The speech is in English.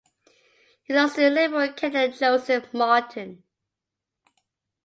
He lost to Liberal candidate Joseph Martin.